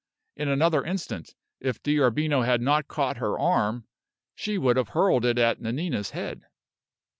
In another instant, if D'Arbino had not caught her arm, she would have hurled it at Nanina's head.